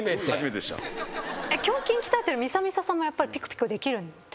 胸筋鍛えてるみさみささんもやっぱりピクピクできるんですか？